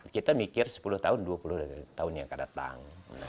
kita mikir sepuluh tahun dua puluh tahun yang akan datang